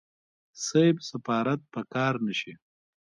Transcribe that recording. صيب سفارت په قار نشي.